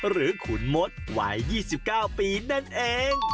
ขุนมดวัย๒๙ปีนั่นเอง